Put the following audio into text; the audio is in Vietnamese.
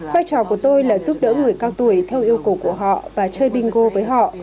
vai trò của tôi là giúp đỡ người cao tuổi theo yêu cầu của họ và chơi bingo với họ